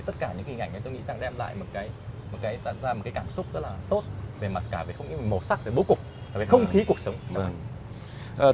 tất cả những hình ảnh này tôi nghĩ rằng đem lại một cái cảm xúc rất là tốt về mặt cả về màu sắc về bố cục về không khí cuộc sống